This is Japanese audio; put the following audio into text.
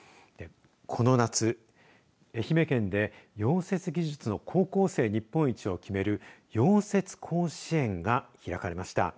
この夏、愛媛県で溶接技術の高校生日本一を決める溶接甲子園が開かれました。